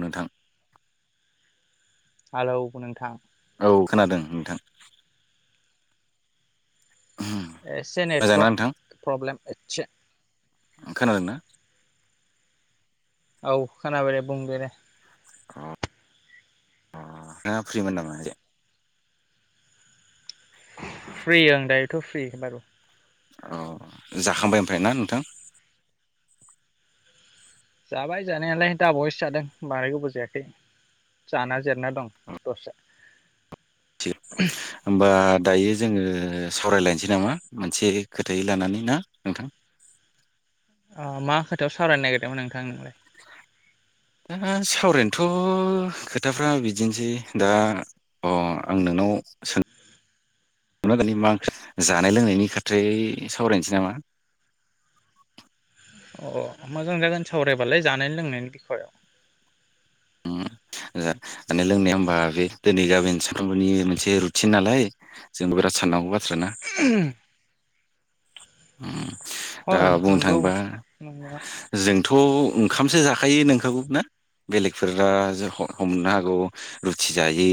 नोंथां हालै नोंथां औ खोनादों नोंथां एसे मोजांना नोंथां नेटवर्क प्रब्लेम एसे खोनादोंना? औ खोनाबायरे बुंबेरे अ अ नोंथाङा फ्रिमोन ना मा एसे? फ्रि आं दायो थ' फ्रि बारु औ, जाखांबाय ओमफ्राय ना नोंथां? जाबाय जानायालाय दााबावैसो जादों बारा गोबाव जायाखै जाना जेरना दं दसे [unintelligible] होनोमबा दायो जोङो सावरायलायनोसै नामा मोनसे खोथाय लानानै ना नोंथां? अ मा खोथायाव सावरायनो नागिरदोंमोन नोंथां? नोंलाय [unintelligible] ओरैनोथ' खोथाफ्रा बिदिनोसै दा अ आं नोंनाव सों [inaudible] मा जानाय लोंनायनि खोथायै सावरायनोसै नामा? अ मोजां जागोन सावरायबालाय जानाय लोंनायनि बिख'याव । उम ओ माने लोंनाया होनबा बे दिनै जा बेनो सानफ्रोमबोनि मोनसे रुथिन नालाय जोंबो बिराद साननांगौ बाथ [unintelligible] [unintelligible] दा हय बुंनो नंगौ थाङोबा नंनाया जों थ' ओंखामसो जाखायो नोंखागौ ना बेलेगफोरा हमनो हागौ रुथि जायो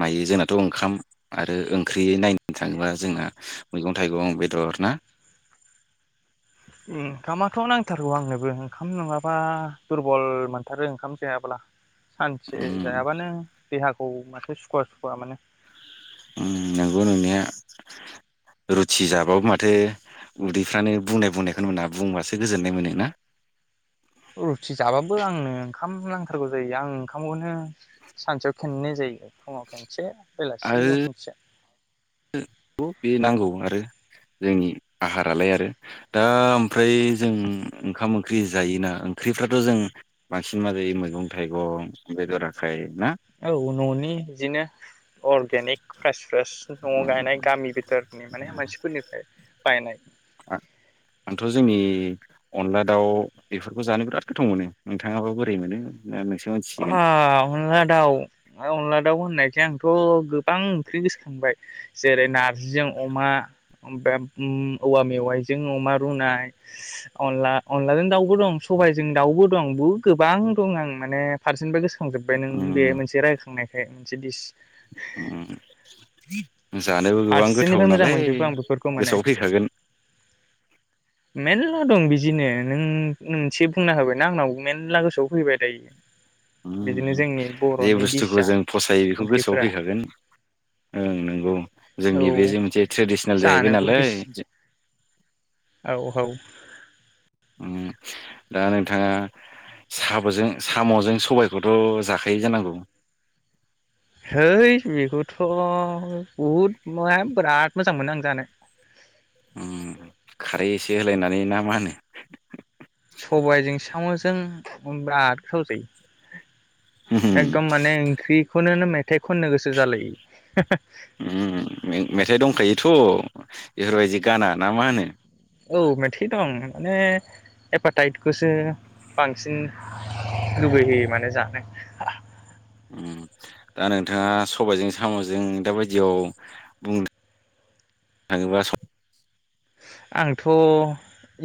मायो जोंनाथ' ओंखाम आरो ओंख्रि नायनो थाङोब्ला जोंहा मैगं थाइगं बेदर ना ओंखामाथ' नांथारगौ आंनोबो ओंखाम नङाब्ला दुरबल मोनथारो ओंखाम जायाब्ला। सानसे जायाबानो देहा खौ माथो सुखुवा सुखुवा मोनो । उम नोंगौ नोंनाया रुथि जाबाबो माथो उदैफ्रानो बुंनाय बुंनायखौनो मोना बुंबासो गोजोननाय मोनो ना? रुथि जाबाबो आंनो ओंखाम नांथारगौ जायो आं ओंखामखौनो सानसेयाव खेननै जायो फुङाव खनसे बेलासेयाव आरो खनसे । बे नांगौ आरो जोंनि आहारालाय आरो दा ओमफ्राय जों ओंखाम ओंख्रि जायोना ओंख्रिफ्राथ' जों बांसिन मा जायो मैगं थाइगं ओमफ्राय बेदर आखाय ना औ न'नि इदिनो अरगेनिक फ्रेस फ्रेस । नआव गायनाय गामि बिथोरनि माने मानसिफोरनिफ्राय बायनाय । आंथ' जोंनि अनला दाउ बेफोरखौ जानो बिराद गोथाव मोनो नोंथाङाबा बोरै मोनो? ना नोंसो मिथिसिगोन आहा अनला दाउ अनला दाउ होननायखाय आंथ' गोबां ओंख्रि गोसोखांबाय जेरै नारजिजों अमा ओमफ्राय औवा मेवाइजों अमा रुनाय अनला अनलाजों दाउबो दं सबायजों दाउबो दं बहुद गोबां दं आं माने फारसेनिफाय गोसो थांखांजोब्बाय नों बे उम मोनसे रायखांनायखाय । जेदिस उम जानोबो गोबां गोथाव फारसेनिफ्राय मोजां नालाय मोनजोबो आं बेफोरखौ माने गोसोआव फैखागोन । मेरला दं बिदिनो नों मोनसे बुंना होबायनाा आंनाव मेरला गोसोआव फैबाय दायो । उम उम जे बुस्थुखौ जों फसायो बेखौ गोसोआव ओंख्रिफोरा फैखागोन ओं नोंगौ । औ जोंनि बे जे मोनसे ट्रेडिसनेल जाहैबाय जानोबो नालाय बिस । औ औ । उम दा नोंथाङा साबजों साम'जों सबायखौथ' जाखायो जानांगौ? है बेखौथ' बुहुद मा बिराद मोजां मोनो आं जानो । उम खारै एसे होलायनानै ना मा होनो? जों [unintelligible] खौजायो । एदम माने ओंख्रिखौनोनो मे थाइ खननो गोसो जालायो । इफोरबायदि औ मेथाइ दं माने हेपाटाइटखौसो बांसिन लुबैहोयो माने जानो दा नोंथाङा सबायाइजों साम'जों दााबायदियाव बुंनो थाङोबा आंथ'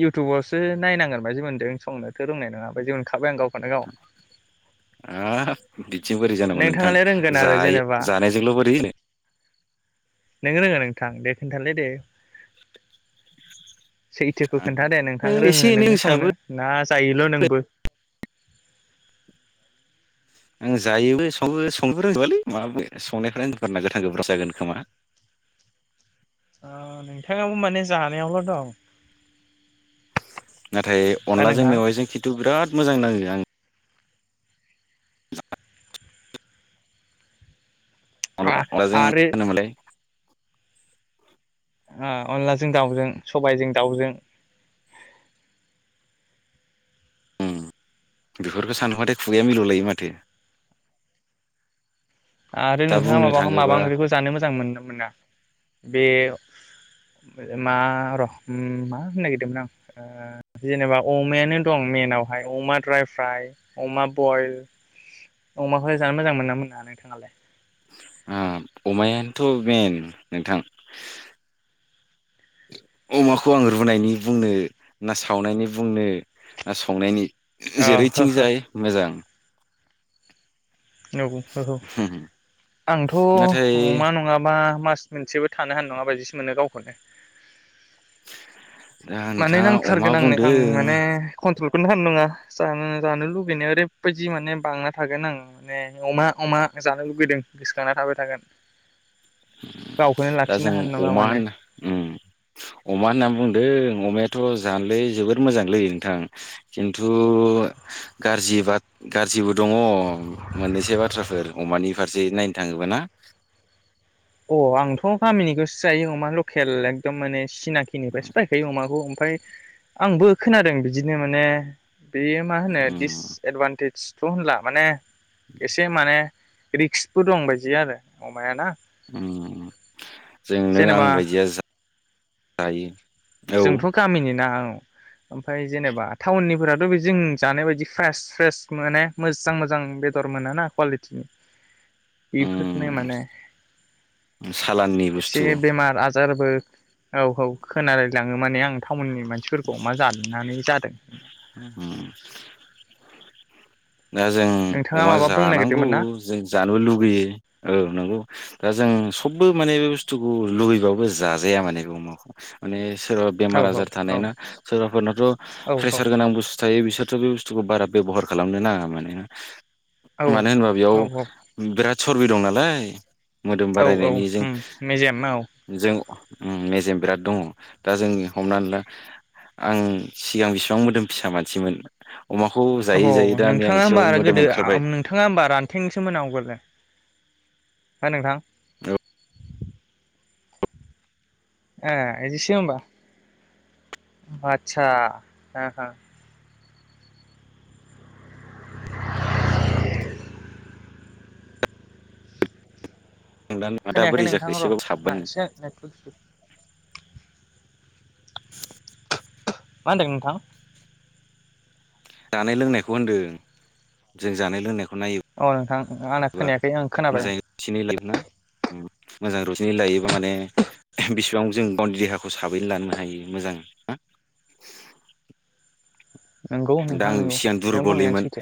इउटुबावसो नायनांगोन बादि मोनदों संनोथ' रोंनाय नङा बदिे मोनखाबाय आं गावखौ आहा बिदिजों बोरै जानांगौ नोंथां नोंथाङालाय रोंगोन आरो जायो जेनेबा जानायजोंल' बोरै होनो नों रोङो नोंथां दे खोन्थालै दे सैथोखौ आं खोन्था दे ओ नोंथां एसे रोङो एनै नोङो रोंसाबो संनो ना जायोल' नोंबो आं जायोबो संनो रोंजोबालै माबाफोर संनियि गोथां गोब्राम जागोन खोमा नोंथाङाबो माने जानायावल' दं नाथाय अनलाजों नोंथां मेवाइजों खिथु बिराद मोजां नाङो आं [unintelligible] अनला अनलाजों आरो होनोमोनलाय हा अनलाजों दाउजों सबायजों दाउजों उम बेफोरखौ सानबाथाय खुगाया मिल'लायो माथो आरो दा नोंथाङा बुंनो माबाखौ माबा थाङोबा ओंख्रिखौ जानो मोजां मोनदों मोना बे मा र' मा होननो नागिरदोंमोन ओ जेनेबा अमायानो दं मेनावहाय अमा द्राय फ्राय अमा बयल अमाखौ जानो मोजां मोनोना मोना नोंथाङालाय उम अमायानोथ' बेन नोंथां अमाखौ आं रुनायनि बुंनो ना सावनायनि बुंनो ना संनायनि औ हो जेरैथिं हो जाय मोजां औ [unintelligible] आंथ' नाथाय अमा नङाबा मास मोनसेबो थानो हानाय नङा बायदिसो मोनो गावखौनो दा माने नोंथाङा अमा नांथारगोन आंनो बुंदों आं माने कन्ट्रल [unintelligible] जानो जानो लुुबैनाया ओरैबायदि माने बांना थागोन आं ने अमा अमा जानो लुुबैदों गोसोखांना थाबाय थागोन गावखौनो दा लाखिनो जों हानाय नङा अमा माने होनना उम अमा होनना बुंदों अमायाथ' जानोलै जोबोर मोजांलै नोंथां खिन्थु गाज्रिबा गाज्रिबो दङ मोननैसो बाथ्राफोर अमानि फारसे नायनो थाङोबा ना? अ आंथ' गामिनिखौसो जायो अमा लकेल एकदम माने सिनाखिनिफ्राय बायखायो अमाखौ ओमफाय आंबो खोनादों बिदिनो माने बेयो मा होनो उम दिसएदभान्टेज सिथ होला माने एसे माने रिक्सबो दं बादि आरो अमायाना उम जों नों आं जेनेबा बायदिया जायो औ जोंथ गामिनि ना औ ओमफ्राय जेनेबा टाउननिफोराथ बे जों जानाय बायदि फ्रेस फ्रेस मोने मोजां मोजां बेदर मोनाना कुवालिटिनि बेफोरनो उम माने सालाननि एसे बुस्थु बेमार आजारबो औ औ खोनादों लाङो माने आं टाउननि मानसिफोरखौ अमा जानानै जादों दा दा जों नोंथाङा अमा माबा बुंनो जानांगौ नागिरदोंमोन ना जों जानोबो लुगैयो औ नंगौ दा जों सबबो माने बे बुस्थुखौ लुबैबाबो जाजाया माने बे अमाखौ माने सोरबा औ बेमार आजार थानाय औ ना सोरबाफोरनाथ औ प्रेसार गोनां बुस्थु थायो बिसोर थ' बे बुस्थुखौ बारा बेबहार खालामनो ना दामाने औ मानो होनबा बेयाव औ औ बिराद सरबि दं नालाय मोदोम औ औ बारायनायनि जों उम मेजेम औ जों उम मेजेम बिराद दङ दा जों हमनानै ला आं सिगां बिसिबां मोदोम फिसा मानसिमोन अमाखौ जायै औ जायै नै आं नोंथाङा होमबा एसेबाबो आम मोदोम गोदो ओंखारबाय नोंथाङा होमबा रान्थेंसोमोन आवगोलो हो नोंथां औ ए एदिसो होमबा आतसा हो हो नंदा नङा दा खोनायाखै बोरै नोंथां जाखो र' एसेबाबो आंना साबबायनो एसे नेटवर्क [inaudible] मा होनदों नोंथां जानाय लोंनायखौ होन्दों जों जानाय लोंनायख औ नोंथां आंना खोनायाखै ओं खोनाबाय आं ना उम मोजां रुथिनै लायोबा माने बेसेबां जों बाउड्रि देहाखौ साबैनो लानो हायो मोजां ना नोंगौ दा नोंथां आं नोंगौ सिगां नों बुंनायानो दुरबलैमोन सैथो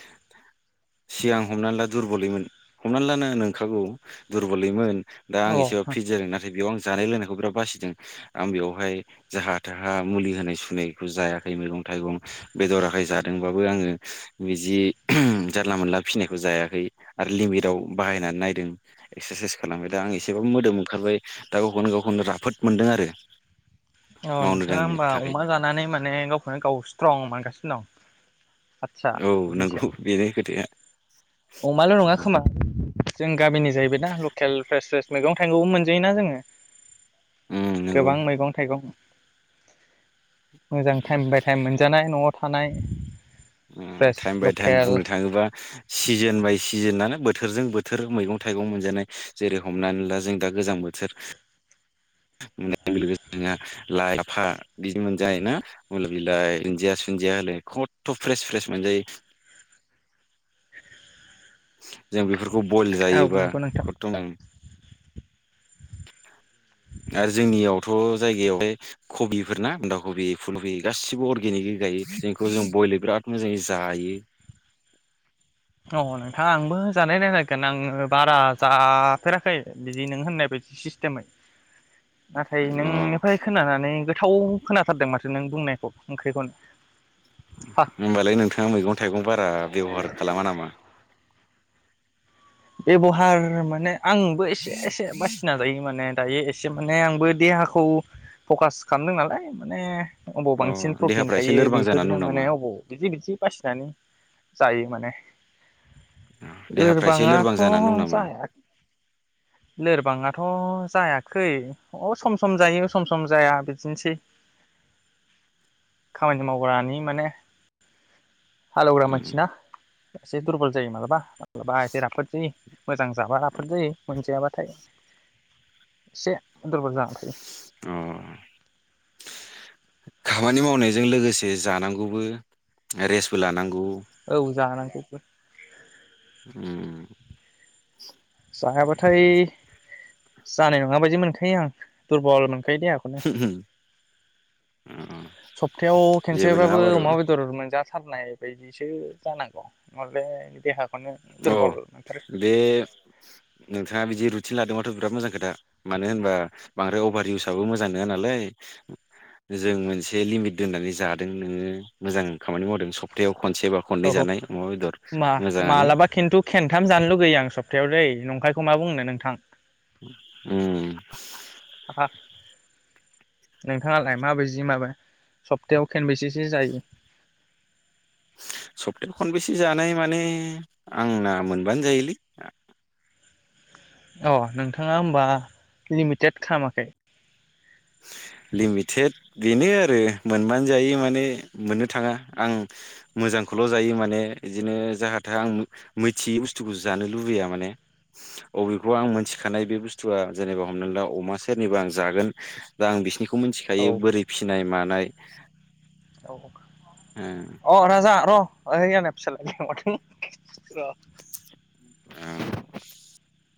सिगां हमनानै ला दुरबलैमोन हमनानै लानो नोंखागौ दुरबलैमोन दा औ आं एसेबा फिट जादों नाथाय बेयाव आं जानाय लोंनायखौ बिराद बासिदों आं बेवहाय जाहा थाहा मुलि होनाय सुनायखौ जायाखै मैगं थाइगं बेदरा थाखाय जादोंबाबो आङो बिदि जानला मोनला फिसिनायखौ जायाखै आरो लिमिटआव बाहायनानै नायदों एक्सारसाइस खालामबाय दा आं एसेबाबो मोदोम ओंखारबाय दा गावखौनो गावखौनो राफोद मोनदों आरो औ मावनो नोंथाङा दांनो होमबा थाखाय अमा जानानै माने गावखौनो गाव स्ट्रं मोनगासिनो दं आदसा औ बिदिसो नोंगौ बेनो खोथाया। अमाल' नङा खोमा जों गामिनि जाहैबाय ना लकेल फ्रेस फ्रेस मैगं थाइगंबो मोनजायोना जोङो। उम नंगौ गोबां मैगं थाइगं मोजां टाइम बाय टाइम मोनजानाय न'वाव थानाय उम फ्रेस टाइम बाय टाइम लकेल बुंनो थाङोबा सिजोन बाय सिजोनानो बोथोरजों बोथोर मैगं थाइगं मोनजानाय जेरै हमनानै ला जों दा गोजां बोथोर [unintelligible] लाइ लाफा बिदि मोनजायो ना मुल बिलाइ दुन्दिया सुन्दिया होलाय खथथ' फ्रेस फ्रेस मोनजायो जों बेफोर खौ बयल औ जायोबा नंगौ नोंथां खथथ' आरो जोंनियावथ' जायगायावहाय कबिफोरना बान्दा कबि फुलकबि गासिबो अर्गेनिक गायो जोंखौ जों बयल बिराद मोजाङै जायो। औ नोंथां आंबो जानाय नायनागोन आङो बारा जाफेराखै बिदि नों होननाय बायदि सिस्टेमै। नाथाय अ नोंनिफ्राय खोनानानै गो थाव खोनाथारदों माथो नों बुंनायखौ ओंख्रिखौनो हा होमबालाय नोंथाङा मैगं थाइगं बारा बेब'हार खालामा नामा? बेबहार माने आंबो एसे एसे बासिना जायो माने। दायो एसे माने आंबो देहाखौ फकास खामदों नालाय माने अबाव अ बांसिन प्रटिन देहाफ्रा एसे थायो लोरबां जानानै बेफोरजों दं माने नामा अबाव बिदि बिदि बासिनानै जायो माने। देहाफ्रा एसे लोरबाङा लोरबां जानानै दं थ' नामा जाया लोरबाङाथ' जायाखै अ सम सम जायो सम सम जाया बिदिनोसै खामानि मावग्रानि माने हालेवग्रा उम मानसि ना। एसे दुरबल जायो मालाबा। मालाबा एसे राफोद जायो मोजां जाबा राफोद जायो। मोनजायाबाथाय एसे दुरबल जानानै थायो। अ खामानि मावनायजों लोगोसे जानांगौबो रेस्टबो लानांगौ। औ जानां गौबो उम जाया बाथाय जानाय नङा बायदि मोनखायो आं दुरबल मोन खायो देहाखौनो। अ सप्थायाव जेबो नङा खेनसेबाबो बारु अमा बेदर मोनजा थारनाय बायदिसो जानांगौ नंङाबा हले देहा माने अ दुरबल मोनथारो। बे नोंथाङा बिदि रुटिन लादोंबाथ' बिराद मोजां खोथा मानो होनबा बांद्राय अभार इउसबो मोजां नङा नालाय जों मोनसे लिमिट दोननानै जादों नोङो मोजां खामानि मावदों सप्थायायाव खनसे बा खननै औ औ जानाय अमा बेदर मा मोजाङानो। मालाबा खिन्थु खेनथाम जानो लुगैयो आं सप्तायाव दे नंखायखौ मा बुंनो नोंथां। उम। नोंथाङालाय माबायदि माबायदि सप्थायायाव खनबेसेसो जायो। सप्टायाव खनबैसे जानाय माने आंना मोनबानो जायोलै। अ नोंथाङा होनबा लिमिटेड खालामाखै लिमिटेड बेनो आरो मोनबानो जायो माने मोननो थाङा आं मोजांखौल' जायो माने बिदिनो जाहा थाहा आं मिथियै बस्थुखौ जानो लुबैया माने अबेखौ आं मोनथिखानाय बे बस्थुआ जेनेबा हमनानै ला अमा सोरनिबा आं जागोन। दा आ बिसिनिखौ खौ औ मिथिखायो बोरै फिसिनाय मानाय। [inaudible] अ राजा र' [inaudible] औ।